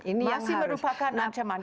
ini masih merupakan ancaman